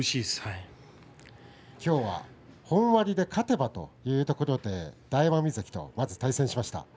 今日は本割で勝てばというところで大奄美関と対戦しました。